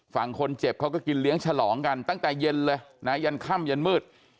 ฝั่งคนเจ็บเขาก็กินเลี้ยงฉลองกันตั้งแต่เย็นเลยนะยันค่ำยันมืด